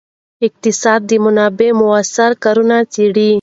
اقتصاد د منابعو مؤثره کارونه څیړي.